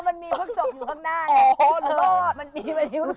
ถ้าให้เลือกเป็นจะเป็นใคร